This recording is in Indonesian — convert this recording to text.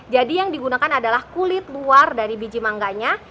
jadi yang digunakan adalah kulit luar dari biji mangganya